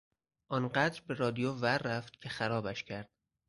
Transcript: آنقدر به رادیو ور رفت که خرابش کرد.